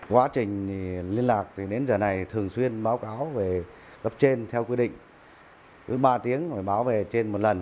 quá trình liên lạc đến giờ này thường xuyên báo cáo về gấp trên theo quy định với ba tiếng mới báo về trên một lần